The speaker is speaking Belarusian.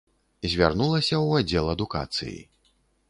Звярнулася ў аддзел адукацыі.